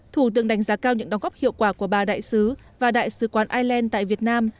thủ tướng đánh giá cao những đóng góp hiệu quả của bà đại sứ và đại sứ quán ireland tại việt nam